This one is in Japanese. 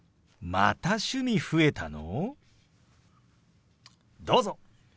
また趣味増えたの！？